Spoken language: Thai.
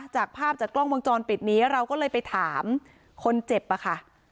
จากภาพจากกล้องวงจรปิดนี้เราก็เลยไปถามคนเจ็บอะค่ะ